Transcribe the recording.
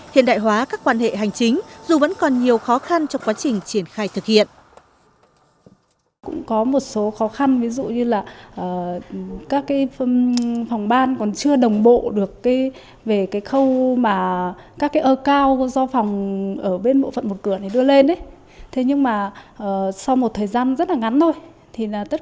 hiện đại hóa các quan hệ hành chính dù vẫn còn nhiều khó khăn trong quá trình triển khai thực hiện